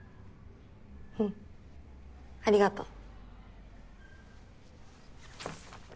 うんありがとう。